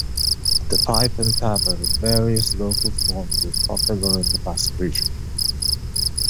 The pipe and tabor, in various local forms, is popular in the Basque region.